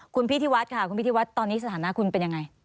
คุณพิธีวัฒน์ค่ะคุณพิธีวัฒน์ตอนนี้สถานะคุณเป็นยังไง